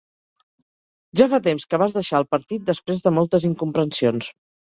Ja fa temps que vas deixar el partit després de moltes incomprensions.